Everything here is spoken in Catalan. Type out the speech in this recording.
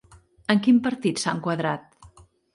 En quin partit s'ha enquadrat?